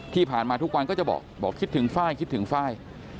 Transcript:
ที่ผ่านมาทุกวันก็จะบอกบอกคิดถึงไฟล์คิดถึงไฟล์